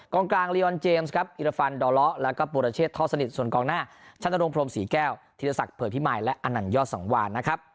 กลางลีออนเจมส์ครับอิรฟันดอเลาะแล้วก็ปุรเชษท่อสนิทส่วนกองหน้าชัดนรงพรมศรีแก้วธีรศักดิเผื่อพิมายและอนันยอดสังวานนะครับ